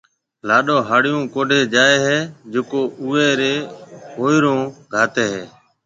لاڏو ھاڙيون ڪوڊِي جائيَ ھيََََ جڪو اوئيَ رَي ھوئيرو گھاتيَ ھيََََ